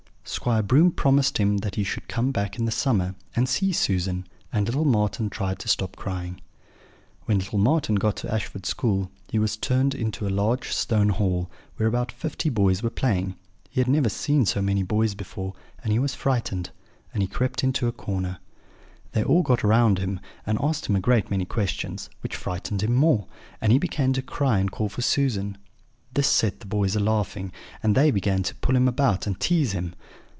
"Squire Broom promised him that he should come back in the summer, and see Susan, and little Marten tried to stop crying. "When little Marten got to Ashford school he was turned into a large stone hall, where about fifty boys were playing; he had never seen so many boys before, and he was frightened, and he crept into a corner. They all got round him, and asked him a great many questions, which frightened him more; and he began to cry and call for Susan. This set the boys a laughing, and they began to pull him about and tease him.